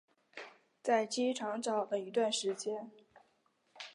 在机场找了一段时间